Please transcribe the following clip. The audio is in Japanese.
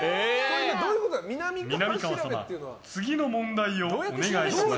みなみかわさん、次の問題をお願いします。